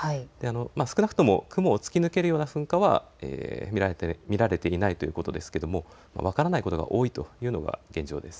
少なくとも雲を突き抜けるような噴火は見られていないということですけれども分からないことが多いというのが現状です。